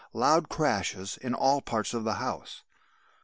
Loud crashes in all parts of the house.